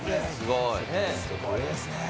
すごいですね。